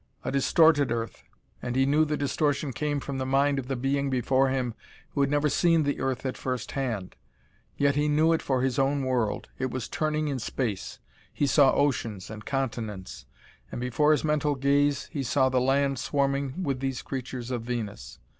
A distorted Earth and he knew the distortion came from the mind of the being before him who had never seen the earth at first hand; yet he knew it for his own world. It was turning in space; he saw oceans and continents; and before his mental gaze he saw the land swarming with these creatures of Venus.